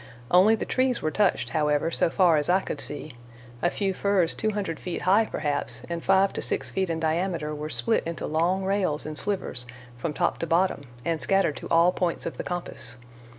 Only the trees were touched, however, so far as I could see,—a few firs 200 feet high, perhaps, and five to six feet in diameter, were split into long rails and slivers from top to bottom and scattered to all points of the compass.